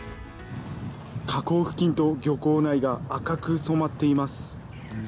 河口付近と漁港内が赤く染まっています。